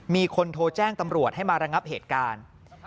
มีคนโทรแจ้งตำรวจให้มาระงับเหตุการณ์